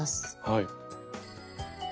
はい。